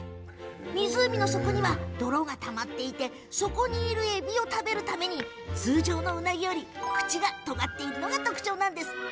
湖の底に泥がたまっていてそこにいる、えびを食べるために通常のウナギより口がとがっているのが特徴なんですよ。